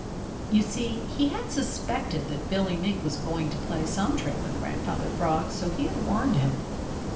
You see, he had suspected that Billy Mink was going to play some trick on Grandfather Frog, so he had warned him.